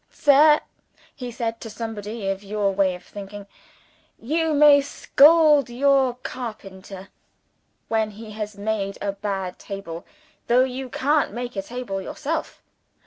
'Sir!' (he said to somebody of your way of thinking) 'you may scold your carpenter, when he has made a bad table, though you can't make a table yourself.'